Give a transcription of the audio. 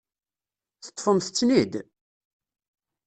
Teṭṭfemt-ten-id?